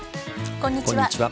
こんにちは。